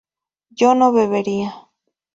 yo no bebería